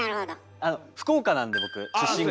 あの福岡なんで僕出身が。